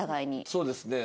そうですね。